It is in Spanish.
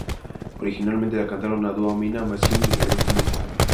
Originalmente la cantaron a dúo Mina Mazzini y Alberto Lupo.